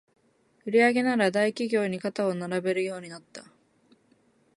売上なら大企業に肩を並べるようになった